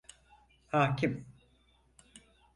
Hakim!